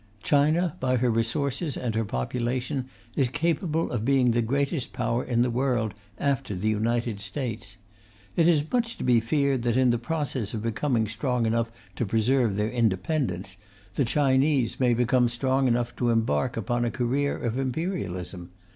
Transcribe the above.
China, by her resources and her population, is capable of being the greatest Power in the world after the United States. It is much to be feared that, in the process of becoming strong enough to preserve their independence, the Chinese may become strong enough to embark upon a career of imperialism.